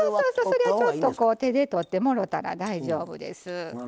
それをちょっと手で取ってもろうたら大丈夫です。